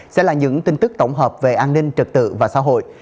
sẽ là những tin tức tổng hợp về an ninh trật tự và xã hội